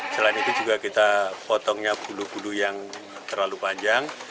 selain itu juga kita potongnya bulu bulu yang terlalu panjang